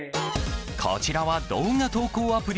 こちらは動画投稿アプリ